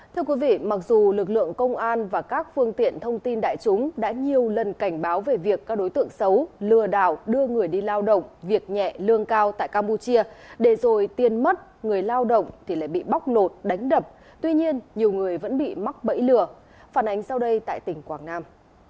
thưa quý vị mặc dù lực lượng công an và các phương tiện thông tin đại chúng đã nhiều lần cảnh báo về việc các đối tượng xấu lừa đảo đưa người đi lao động việc nhẹ lương cao tại campuchia để rồi tiền mất người lao động thì lại bị bóc lột đánh đập tuy nhiên nhiều người vẫn bị mắc bẫy lừa phản ánh sau đây tại tỉnh quảng nam